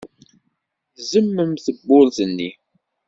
Tzemmem tewwurt-nni.